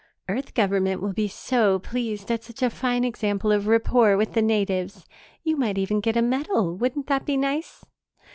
Earth Government will be so pleased at such a fine example of rapport with the natives. You might even get a medal. Wouldn't that be nice?...